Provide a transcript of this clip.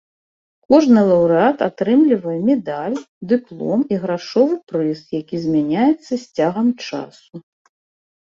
Кожны лаўрэат атрымлівае медаль, дыплом і грашовы прыз, які змяняецца з цягам часу.